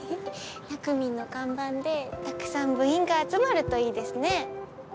たくみんの看板でたくさん部員が集まるといいですね。